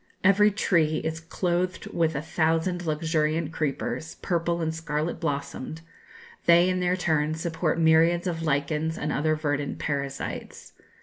Every tree is clothed with a thousand luxuriant creepers, purple and scarlet blossomed; they in their turn support myriads of lichens and other verdant parasites.